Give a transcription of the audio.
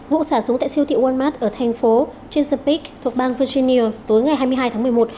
vụ xả súng tại siêu thị walmart ở thành phố chensofic thuộc bang virginia tối ngày hai mươi hai tháng một mươi một